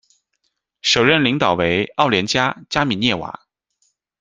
首任领导为奥莉加·加米涅娃。